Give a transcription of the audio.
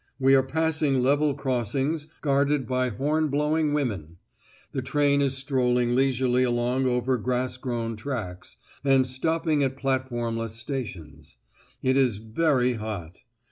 We are passing level crossings guarded by horn blowing women; the train is strolling leisurely along over grass grown tracks, and stopping at platformless stations. It is very hot.